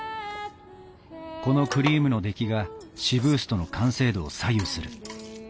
このクリームの出来がシブーストの完成度を左右する。